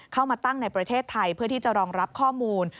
เข้ามาตั้งในประเทศไทยเพื่อที่จะรองรับข้อมูล